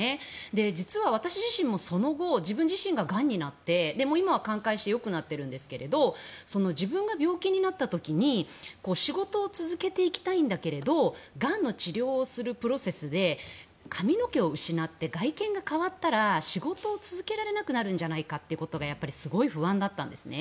実は私自身もその後自分自身ががんになってその後、寛解してもうよくなっているんですが自分が病気になった時に仕事を続けていきたいんだけどがんの治療をするプロセスで髪の毛を失って外見が変わったら仕事を続けられなくなるんじゃないかということがやっぱりすごい不安だったんですね。